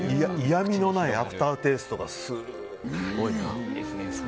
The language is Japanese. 嫌みのないアフターテイストがすごいな。